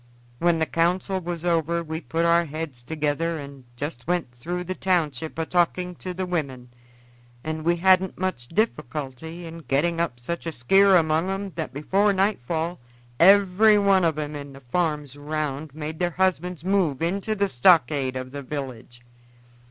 When the council was over we put our heads together, and just went through the township a talking to the women, and we hadn't much difficulty in getting up such a skear among 'em that before nightfall every one of 'em in the farms around made their husbands move into the stockade of the village.